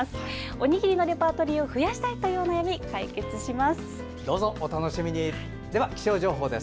「おにぎりのレパートリーを増やしたい！」というお悩みでは気象情報です。